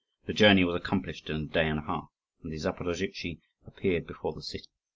The journey was accomplished in a day and a half, and the Zaporozhtzi appeared before the city.